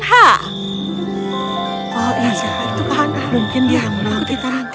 oh iya itu k'an h mungkin dia menang